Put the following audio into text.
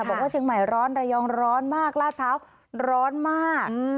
บอกว่าเชียงใหม่ร้อนระยองร้อนมากลาดพร้าวร้อนมาก